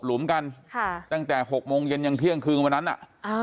หุมกันค่ะตั้งแต่หกโมงเย็นยังเที่ยงคืนวันนั้นอ่ะอ่า